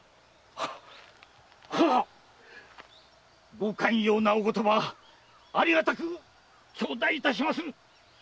ご寛容なお言葉ありがたく頂戴いたしまする。